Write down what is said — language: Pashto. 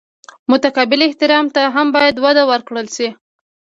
متقابل احترام ته هم باید وده ورکړل شي.